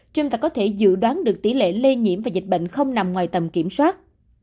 chúng ta có thể dự đoán được tỷ lệ lây nhiễm và dịch bệnh không nằm ngoài tầm kiểm soát